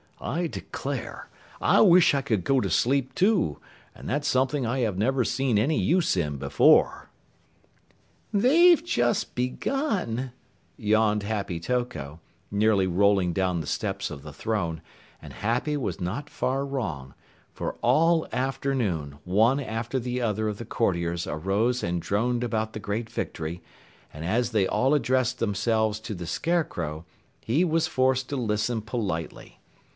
I declare, I wish I could go to sleep, too, and that's something I have never seen any use in before." "They've just begun," yawned Happy Toko, nearly rolling down the steps of the throne, and Happy was not far wrong, for all afternoon one after the other of the courtiers arose and droned about the great victory, and as they all addressed themselves to the Scarecrow, he was forced to listen politely.